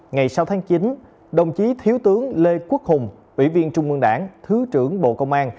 ngày sáu tháng chín đồng chí thiếu tướng lê quốc hùng ủy viên trung ương đảng thứ trưởng bộ công an